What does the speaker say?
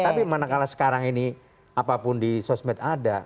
tapi mana kalah sekarang ini apapun di sosmed ada